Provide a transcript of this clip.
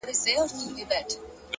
خاموش پرمختګ تر لوړ شعار اغېزمن وي!